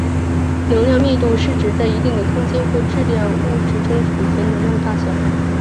能量密度是指在一定的空间或质量物质中储存能量的大小。